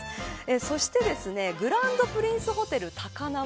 そしてグランドプリンスホテル高輪